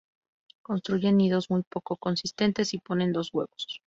Construyen nidos muy poco consistentes y ponen dos huevos.